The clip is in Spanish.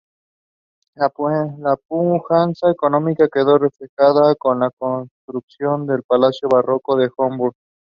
La pujanza económica quedó reflejada con la construcción del palacio barroco de Homburg.